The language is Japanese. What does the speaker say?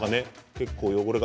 結構汚れが。